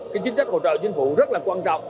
cái chính sách hỗ trợ chính phủ rất là quan trọng